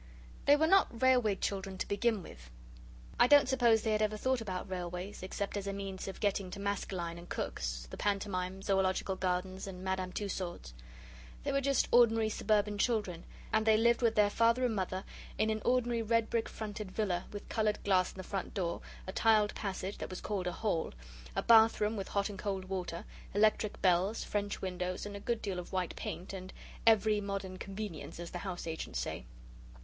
They were not railway children to begin with. I don't suppose they had ever thought about railways except as a means of getting to Maskelyne and Cook's, the Pantomime, Zoological Gardens, and Madame Tussaud's. They were just ordinary suburban children, and they lived with their Father and Mother in an ordinary red brick fronted villa, with coloured glass in the front door, a tiled passage that was called a hall, a bath room with hot and cold water, electric bells, French windows, and a good deal of white paint, and 'every modern convenience', as the house agents say.